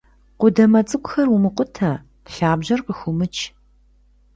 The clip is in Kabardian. Къудамэ цӀыкӀухэр умыкъутэ, лъабжьэр къыхыумыч.